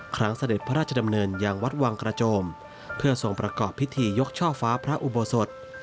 เสด็จพระราชดำเนินยังวัดวังกระโจมเพื่อทรงประกอบพิธียกช่อฟ้าพระอุโบสถ